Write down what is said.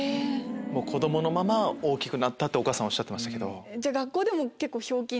「子どものまま大きくなった」ってお母さんおっしゃってました。